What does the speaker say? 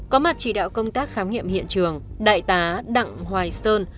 có mặt chỉ đạo công tác khám nghiệm hiện trường đại tá đặng hoài sơn